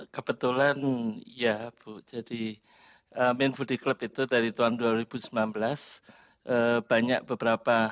kebetulan ya bu jadi main food club itu dari tahun dua ribu sembilan belas banyak beberapa